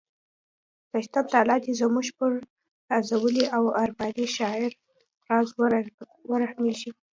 څښتن تعالی دې زموږ پر نازولي او ارماني شاعر راز ورحمیږي